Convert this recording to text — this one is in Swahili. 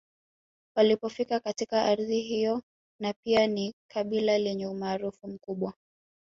Walipofika katika ardhi hiyo na pia ni kabila lenye umaarufu mkubwa